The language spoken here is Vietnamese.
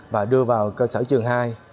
và đưa vào cơ sở trường hai